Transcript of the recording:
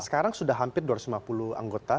sekarang sudah hampir dua ratus lima puluh anggota